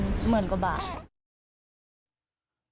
ตั้งแต่๑๑ชั่วโมงตั้งแต่๑๑ชั่วโมง